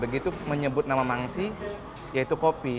begitu menyebut nama mangsi yaitu kopi